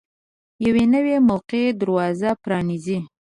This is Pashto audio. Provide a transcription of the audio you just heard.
یوه نوې موقع دروازه پرانیزي.